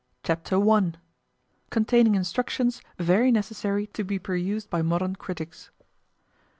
Chapter i. Containing instructions very necessary to be perused by modern critics.